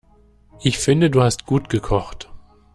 Ich finde du hast gut gekocht.